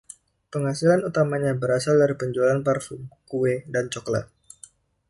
Penghasilan utamanya berasal dari penjualan parfum, kue, dan cokelat.